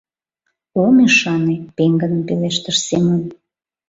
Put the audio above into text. — Ом ӱшане! — пеҥгыдын пелештыш Семон.